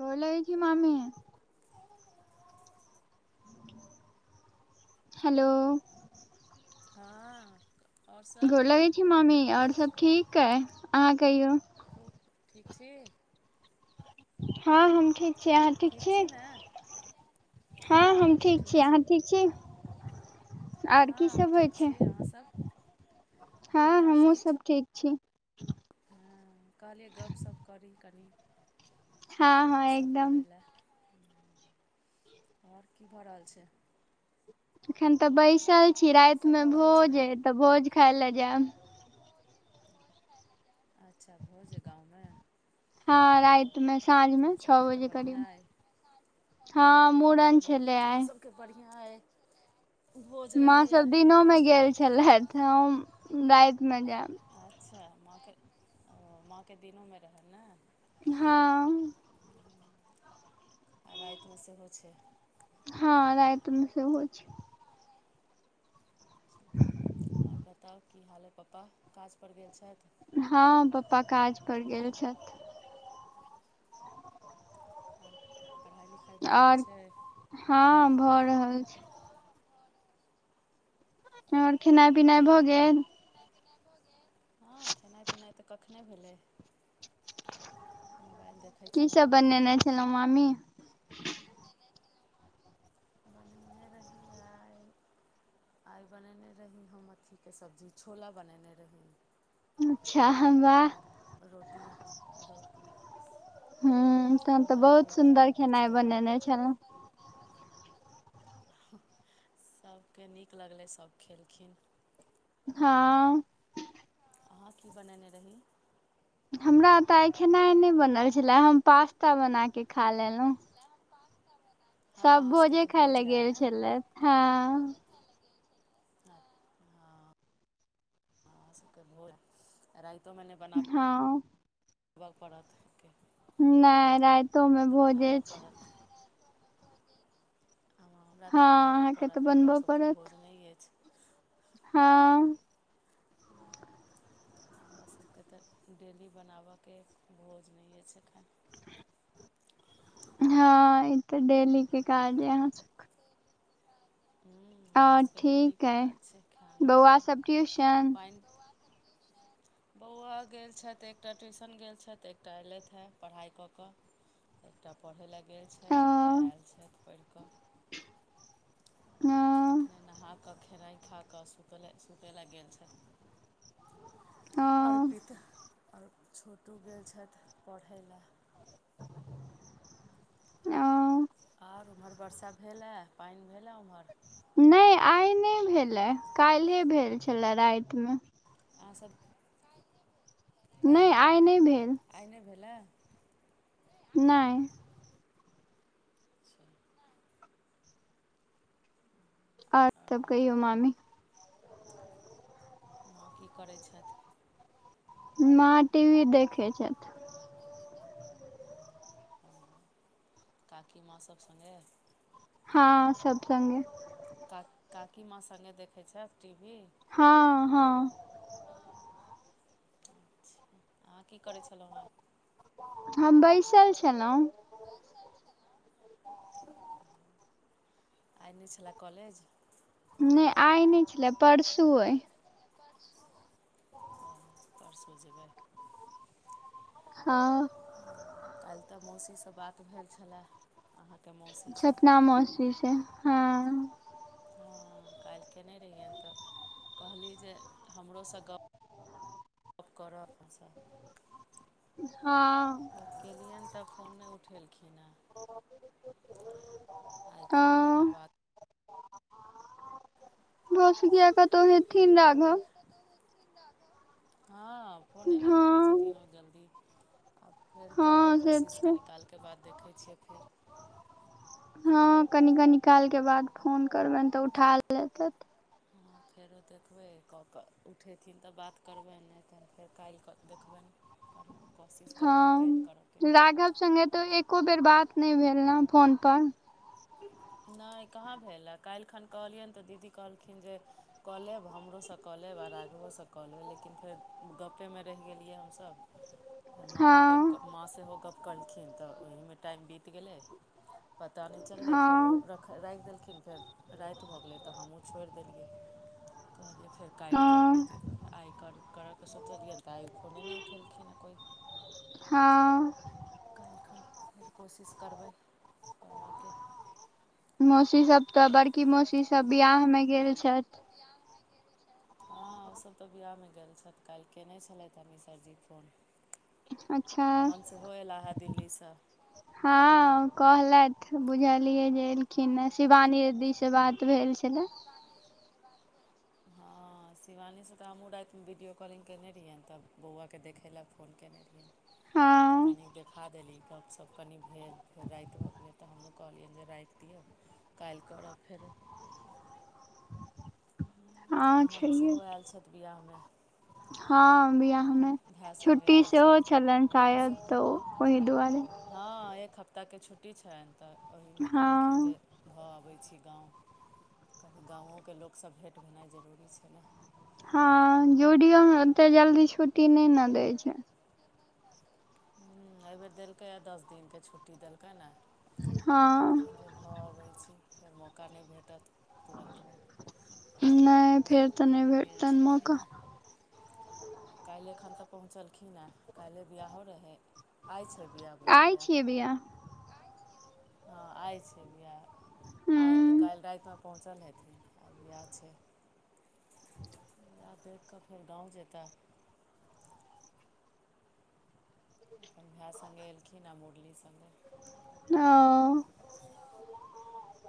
गोर लगै छी मामी। हलो हँ आओर सभ गोर लगै छी मामी आओर सब ठीक अहाँ कहियौ ठीक छी हँ हम ठीक छी अहाँ ठीक छी हँ हम ठीक छी अहाँ ठीक छी आर की हँ हम सब होइ ठीक छै छी अहाँसभ हँ आओर हमहुँ किछो सब ठीक छी हँ कहलियै गपशप करी कनी हँ हँ एकदम लए आओर की भऽ रहल छै एखन तऽ बैसल छी कीसभ रातिमे भऽ रहल भोज छै अइ तऽ भोज खाय लए जायब अच्छा भोज अइ गाँवमे। हँ राइत मे साँझ मे छओ अहाँसभके तऽ बजे बढ़िआँ करीब अइ हँ मूड़न छलै आइ। तँ बढ़िआँ अइ। भोज माँ रहैए सब दिनोमे रोज गेल माँ छलथि सब हम दिनोमे गेल रातिमे छलथि जायब अच्छा माँके ओ माँके दिनोमे रहैन न हँ आ रातिमे सेहो छै। हँ राइतमे सेहो छै आओर बताउ की हाल अय पप्पा काज पर गेल छथि। हँ पप्पा काज पर गेल हँ छथि पप्पा काज पर गेल आर पढ़ाइ लिखाइ भऽ रहल आओर छै हँ भऽ रहल छै। हँ भऽ रहल आओर खेनाइ पिनाइ भऽ गेल। खेनाइ छै पिनाइ भ गेल हँ खेनाय पिनाइ तऽ कत कखने भेलै मोबाइल देख की सब बनेने छलौं मामी। बनने रहि आइ आइ बनेने रही हम अथीके सब्जी छोला बनेने रही अच्छा वाह आर रोटी रोटी हूँ तहन तऽ छोला बहुत रोटी सुन्दर खेनाइ भुजिया बनेने छलहुँ हूं सभके नीक लगलै सब खेलखिन हँ अहाँ की बनेने रही हमरा एतऽ आइ खेनाइ नहि बनल छलए हम पास्ता बना कऽ खा लेलहुँ। आइ पास्ता बनाके हँ सब अहाँ सभके भोजे तऽ खाय ले भोजन रहे गेल ने छलथि सब हँ भोजे खाइ ले हं हं अहाँ सभके भोज आ राइतोमे नै [inaudible] बना हँ पड़त न नाय हमरा राइतोमे भोजे छै हँ हमरा हँ तऽ बनाबय अहाँके तऽ पड़त हमरा बनबऽ सभके पड़त भोज नय ऐछ हँ [inaudible] हमरा सके तऽ डेली बनाबऽके भोज नहिए छैै हँ ई तऽ डेली के काज यै अहाँ सभकेँ हम्म अ हमर सबके ठीक डेलीके अइ काज छै खाना बौआ सब बनेना ट्यूशन पाइन [inaudible] बौआ गेल छैथ एकटा ट्यूशन गेल छैथ एकटा एयलथि हेँ पढ़ाइ कऽ कऽ एकटा पढ़य लेल गेल अ, छथि एकटा अ, आयल छथि पढ़ि कऽ एखने नहा कऽ खेनाइ खा कऽ सुतय ल गेल छैत अ, अर्पित आर छोटू गेल छैथ पढ़य लेल [unintelligible] आर ओम्हर वर्षा भेलए पाइन भेलए ओम्हर नय आइ नय भेलए काल् भेल छलए रातिमे आहसभ नइ आइ नय भेल आइ नय भेलै नय [inaudible] ओर आओर तब कहि हो बताउ मामी [inaudible] माँ की करै छथि माँ टी वी देखै छैथ [inaudible] काकी माँ सब सँगे हँ सब सँगे क काकी माँ संगे देखैत छथि टी वी हँ हँ अच्छा अहाँ की करै छलो हेँ हम बैसल छलो वबसइ छलो आइ नय छलै कॉलेज नय आइ नय छलै परसू अइ [inaudible] हँ परसू जेबै हँ काल्ह तऽ मौसीसँ बात भेल छलए अहाँके मौसी सपना मौसी छै हँ हँ काल्ह कयने रहियनि तऽ कहली जे हमरोसँ गप् [inaudible] कर अपनासँ हँ फेर केलियनि तऽ फोन नय उठेलखिन हँ [inaudible] आइ अ केलियए ने य बात [unintelligible] फेर राघव करबनि हँ फोने नहि उठबै छथिन। हँ तीनोू जल्दी आ फेर करबै हँ से कोशिश छै कनीिकालके बाद देखै छियै फेर। हँ कनि क निकालके बाद फोन करबनि तऽ उठा लेत। ह फेरो देखबै कऽ कऽ उठेथिन तऽ बात करबनि नहि तनि फेर काल्हि कऽ देखबनि। आर। हँ राघव सगे तऽ एको बेर राघव बात संगे नहि भेल तऽ एको हे बेर फोन बात पर। नहि भेल हँ नहि कहाँ भेल हए काल्हि खन कहलियनि तऽ दीदी कहलखिन जे। कऽ लेब हमरोसँ कऽ लेब आओर आगुओसँ कऽ लेब लेकिन फेर गपेमे रहि गेलियै हमस। [unintelligible] फे माँओ गप्प हँ माँ सेहो गप्प कलखिन तऽ ओहीमे टाइम बीत गेलै। पता नहि चललै फेर ओख हँ राखि देलखिन। फेर राति भऽ गेलै तऽ हमहूँ छोड़ि देलियै कहलियै फेर। काल्हि करबै हँ ते दुआरेआइ करऽके सोचलियनि तऽ आइ फोने नहि उठेलखिन हेँ कोइ। हँ। काल्हिखन फेर कोशिश करबै करबाकऽके। मौसी सब तऽ बड़की मौसी सब बिियाह मऽ गेल छथि। [unintelligible] हँ ओसभ तऽ विवाहमे गेल छथि काल्हि कयने छलथि ई मिश्रा जी फोन। अच्छा। अमन सेहो अयलाह हे दिल्लीसँ हँ कहलथि बुझलियै जे एलखिन शिवानीदी। से बात भेल शिवानी छलै। दीदी से बात भेल छलै हँ शिवानीसँ तऽ हमहूँ रातिमे वीडियो कॉलिङंगग केने रहियैनि तऽ बौआके देखय लए फोन केयने रहियए। तऽ हँ कनि देख। खा देली तब सभ कनि भेल फेर राति भऽ गेल तऽ हमहूँ कहलियनि जे राखाई दिअ। काल्हि करब फेर। तऽ हँ अमन छैहे सेहो आयल छथि बियाहमे। हँ बिआहमे अपन भाय सङ्गे छुट्टी आयल सेहो छथि छलनि मुरली शायद तऽ सङ्गे ओहि दुआरे। हँ एक हफ्ताके छुट्टी छनि तऽ ओहिमे कहलखिन जे। हँ भऽ अबै छी गाँव कनि गाँवोके लोक सब भेँट होेनाइ जरूरी छै ने। हँ जू डीओमे ओते जल्दी छुट्टी नहि ने दै छै। हू एहिबेर देलकैए दस दिनके छुट्टी देलकै ने तऽ हँ कहलखिन जे। भऽ अबै छी फेर मौका नहि भेटत तुरन्तमे। नहि फेर तऽ ताहि नहि दुआरे गेल भेटतनि छलखिन मौका। हेँ काल्हि एखन तऽ पहुँचलखिन हेँ काल्हिए बियाहहो रहै। आइ छै बिहा बुझा आइ या छियै बियाह हँ आइ छै बिहा आ हूँ काल्हि रातिमे पहुँचल हेथिन आ बिहा छै। विहा देखि कऽ फेर गाँव जेतैय। अपन भाय सङ्गे एलखिन आ मुरली सङ्गे। ओ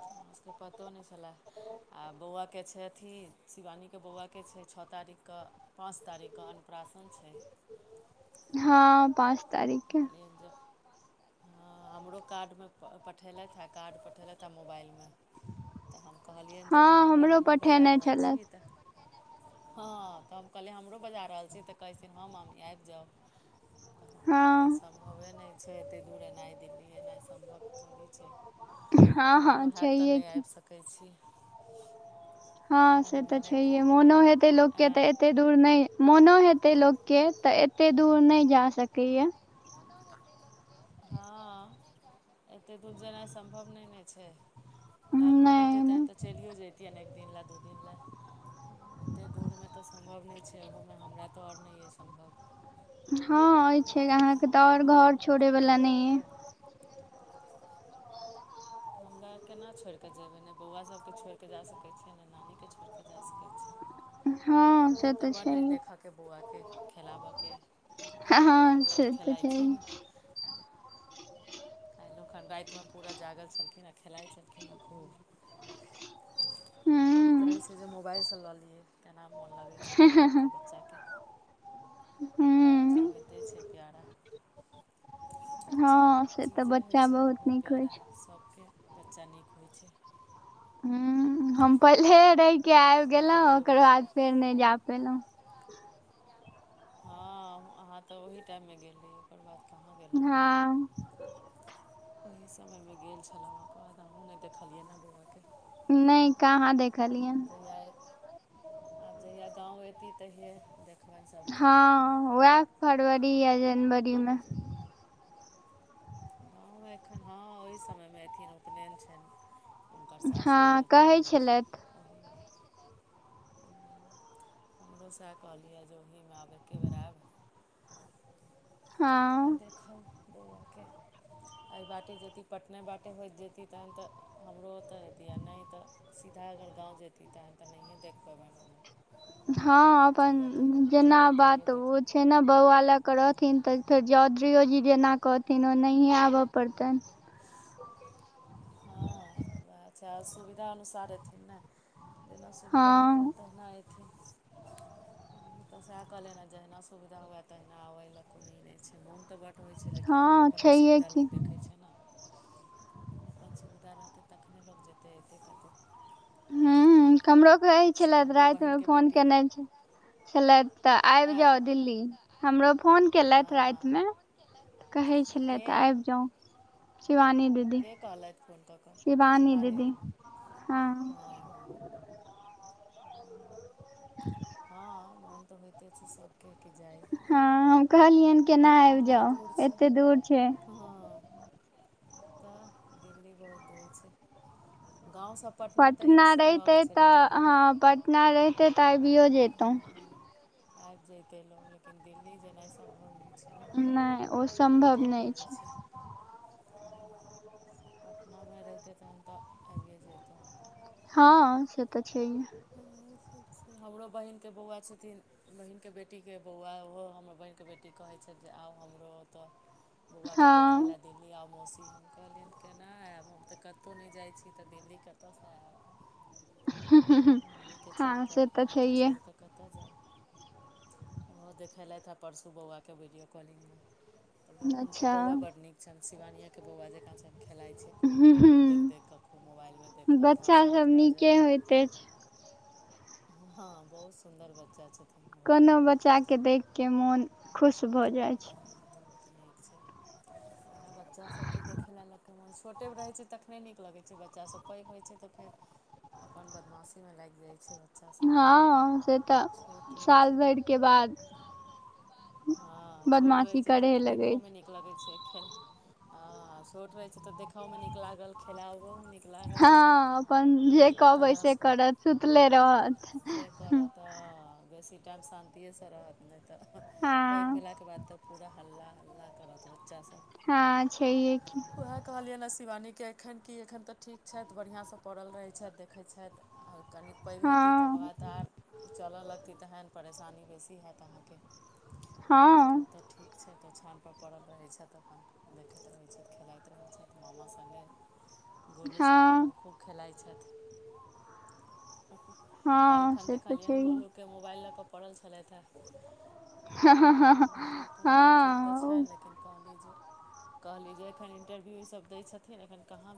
हमरा सबके पतो नहि छलैय आ बौआके छै अथी शिवानीके बौआके छै छओ तारीखके। पाँच तारीखके अन्नप्राशन छै। हँ पाँच तारीख। [unintelligible] हँ हमरो कार्ड मे पठेलैथ हे कार्ड पठेलैथ हे मोबाइल मे। तऽ हम कहलियैन हँ जेकि हमरा हमरो बजा पठेने रहल छी छलथि तऽ। हँ तऽ हम कहलियै हमरो बजा रहल छी तऽ कहै छथिन हँ मम्मी आबि जाउ। हँ कहलिए सम्भवे नय छै एतेक दूर एनाइ दिल्ली एनाइ सम्भव थोड़ी छै। हँ मोनो हँ हैत तऽ छैहे नय की आबि सकै छी। हँ से मोन तऽ भेने की छैहे मोनो हेतै लोक केँ तऽ आँय एते। दूर नय मोनो हेतय लोक केँ तऽ एतय दूर नय जा सकै य। हँ। एते दूर जेनाइ सम्भव नय नऽ छै लगमे नहि रहतियै नहि तखन तऽ चलियो जैतियैन एक। दिन ले दु दिन ले एतेक दूरमे तऽ सम्भव नइ छै ओहोमे हमरा तऽ आओर नय यऽ सम्भव। हँ ताहि एछै दुआरे अहाँकेँ हम तऽ आओर कहलियनि जे घर हम तऽ छोड़य वला नहि नय आबि यऽ पायब [inaudible] हमरा केना छोइर कऽ जेबै नय बौआ सभके छोइर कऽ जा सकै छियै नय नानीकेँ छोइर कऽ जा सकै छियै। हँ से मोन तऽ बड्ड छै अइ देखयके बौआके खेलाबऽ केँ। हँ हँ से तऽ छै [inaudible] काइलो खन राइत मऽ पूरा जागल छलखिन आ खेलाइत छलखिन हे खूब। होइत हूँ रहै छै जे मोबाइल सँ लऽ लियै केना मोन लगै छै देख कऽ बच्चा केँ बच्चा हूँ हो ते छै प्यारा बच्चा हँ से तऽ चीजे होइ बच्चा छै बहुत नीक होइ प्यारा छै सभके बच्चा नीक होइ छै हुँ हम पहिले रहि केँ आबि अहूँके गेलहुँ ओकर पल्लवीके बाद फेर नय जा पेलहुँ हँ अहाँ तऽ ओहि टाइम मे गेल रहिये ओकर बाद कहाँ गेलहुँ हँ ओही समयमे गेल छलहुँ अहाँक ओय बाद हमहूँ नय देखलियै हँ बौआ केँ नप कहाँ देखलियै जाय आब जहिया गाँव एयती तहिये देखबैन सब हँ वैह फरवरी या जनवरी मे गाँव एखन हँ ओहि समयमे एयथिन उपनयन छैन हुनकर हँ सासुरमे कहै तहन अथिन छलथि हँ कहैय छलै हमरो सैह कहलियए जे ओहीमे आब एके बेेर एब तखने हँ देखब बौआ केँ एहि बाटे जेती पटने बाटे होइत जेती तहन तऽ हमरो ओतऽ अति आ नय तऽ सीधा अगर गाँव जेती तहन तऽ नहिए देख पबैन हम हँ फेर अपन जहिया कहियो जेना जेबै तहिये बात ओ देखबै छै नऽ बौआ लऽ केँ रहथिन जेना तऽ बात फेर बुझे चौधरीयो ने जी जेना बौआ लग कहथिन रखी ओनाहिये आबऽ केओ परतैन हँ वैह छै आ सुविधा अनुसार अयथिन नऽ जेना सुविधा हेतैन हँ तेहिना एथिन हमहुँ तऽ सैह कहलियैन हँ जहिना सुविधा हुए तहिना आउ एय लऽ कोनो ई नय छै मोन तऽ बड होइ छै लेकिन आब हँ अपनो छैहे सुविधा की लोग दे खै छै नऽ अपन सुविधा रहतै तखने लोक जेतै एतै कतै हुँ कमरोे कहै अच्छा छलेऽ हमरो राइत मे बहिनके फोन बेटी केने छै छेलैथ तऽ आइब आँय जाउ दिल्ली हमरो फोन केलैथ राइत हँ मे कहै के छेलैथ आबि जाउ शिवानी दीदी के कहलथि फोन कऽ कऽ शिवानी दीदी हँ हँ [inaudible] [inaudible] हँ मोन तऽ होइते छै सब के की जाइ हँ हम कहलियनि केना आबि दिल्ली दूर जाउ छै एते दूर छै हँ तऽ दिल्ली बहुत दूर छै गाँव सब पटना रहितै तऽ हँ पटना रहितै तऽ अबियो जैतौं हँ आबि जैतै लोग लेकिन दिल्ली जेनाइ सम्भव नय छै ने नहि ओ बहुत सम्भव दूर नहि पड़ै छै पटनामे रहितै तखन तऽ आबिये जैतहु हँ से तऽ छैहे हमरो बहिनके बौआ छथिन बहिीनके बेटीके बौआ ओहो हमर बहनके बेटी कहै छथिन जे आउ हमरो होतऽ बौआके देखै हँ लए दिल्लीआउ मौसी हम कहलियनि केना आयब हम तऽ कतौ नय जाइ छी तऽ दिल्ली कतऽसँ एब नानीकेँ छोड़ि हँ से कऽ तऽ माँकेँ छैहे छोड़ि कऽ कतय जैब ओहो देखेलथि हे परसू बौआके वीडियो कॉलिंगमे हुनको अच्छा बौआ बड़ नीक छनि शिवानियें के बौआ जेकाँ छल खेलाय। खूब हूँ देख देख कऽ खूब मोबाइलमे देखत बच्चा सब हँसत नीके बाजत। होइत अछि हँ बहुत सुन्दर बच्चा छथिन ओहो कोनो बच्चाके देख कऽ मोन खुश भऽ जाइ छै। बहुत नीक छै ओहाँ बच्चा सबके देखै ले लोक हूं छोटेमे रहै छै तखने नीक लगै छै बच्चासभ पैघ होइ छै तऽ फेर। अपन बदमाशी मे लागि जाइ छै। बच्चासभ हँ से तऽ छोट रहैत साल छै तऽ भरिके बाद। साल तकके हँ छोट रहै बदमाशी छै करहे तऽ लगै देखहो मे छै नीक नीक लगै छै खेलाउ छोट रहै छै तऽ देखओ मे नीक लागल खेलाओ मे नीक लागल। हँ अपन जे लागल सब कहबै तरह से। करत सुतले रहत करत हंँ बेसी टाइम शान्तिएसँ रहत नय तऽ- पैघ हँ भेलाके बाद तऽ पूरा हल्ला हल्ला करत बच्चा सब। हँ छैहे की। कहलियनि हँ शिवानीके एखन कि एखन तऽ ठीक छथि बढ़ियाँसँ पड़ल रहै छथि देखै छथि। आओर कनिक पैघ हेती तकर हँ बाद त आर चलऽ लगती तहन परेशानी बेसी हैत अहाँके। एखन हँ तऽ ठीक छैथि तऽ ओछान पर पड़ल रहै छथि अपन देखैत रहैत छथि खेलाइत रहै छथि मामा संगे गोलू संगे अपन हँ खूब खेलाइ छथि काल्हि हँ खन से तऽ देखेलियनि छैहे गोलू के मोबाइल लऽ कऽ पड़ल छलथि हें। तऽ मोबाइल लऽ के मोन ठीक तऽ हँ छनि लेकिन कहली जे कहली जे एखन इन्टरव्यू ई सब दै छथिन अखन कहाँ भेलय।